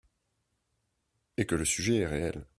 et que le sujet est réel.